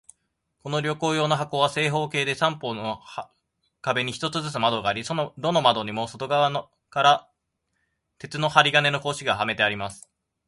この旅行用の箱は、正方形で、三方の壁に一つずつ窓があり、どの窓にも外側から鉄の針金の格子がはめてあります。